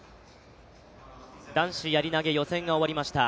男子やり投予選が終わりました。